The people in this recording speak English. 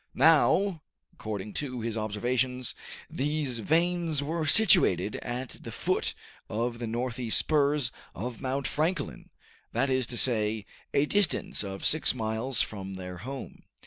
Now, according to his observations, these veins were situated at the foot of the northeast spurs of Mount Franklin, that is to say, a distance of six miles from their home.